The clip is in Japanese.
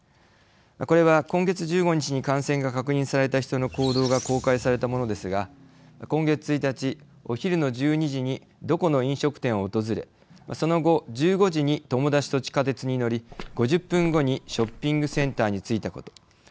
これは今月１５日に感染が確認された人の行動が公開されたものですが今月１日お昼の１２時にどこの飲食店を訪れその後１５時に友達と地下鉄に乗り５０分後にショッピングセンターに着いたこと。